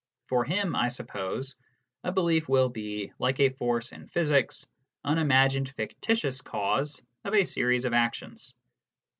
For him, I suppose, a belief will be, like a force in physics, an imagined fictitious cause of a series of actions.